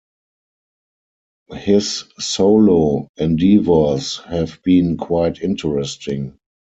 His solo endeavors have been quite interesting.